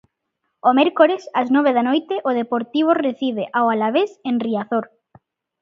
O mércores, ás nove da noite, o Deportivo recibe ao Alavés en Riazor.